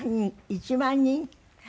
１万人。